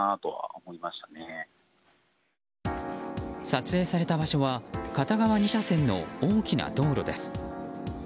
撮影された場所は片側２車線の大きな道路です。